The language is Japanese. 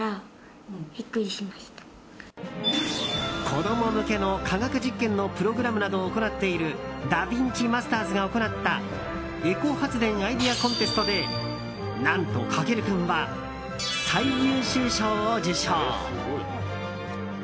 子供向けの科学実験のプログラムなどを行っているダヴィンチマスターズが行ったエコ発電アイディアコンテストで何と、駆君は最優秀賞を受賞。